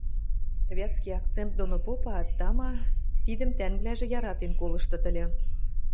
Вятский акцент доно попаат, тама, тидӹм тӓнгвлӓжӹ яратен колыштыт ыльы.